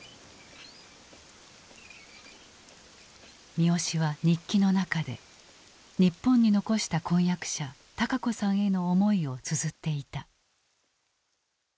三好は日記の中で日本に残した婚約者孝子さんへの思いをつづっていた。